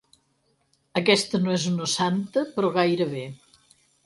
Aquesta no és una santa, però gairebé.